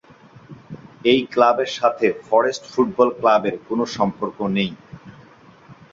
এই ক্লাবের সাথে ফরেস্ট ফুটবল ক্লাবের কোন সম্পর্ক নেই।